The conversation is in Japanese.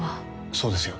そうですよ。